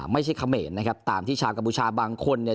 ไม่ใช่เขมรนะครับตามที่ชาวกบุชาบางคนเนี่ย